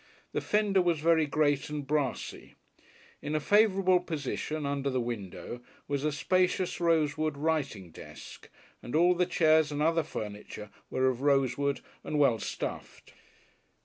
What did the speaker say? The fender was very great and brassy. In a favourable position, under the window, was a spacious rosewood writing desk, and all the chairs and other furniture were of rosewood and well stuffed.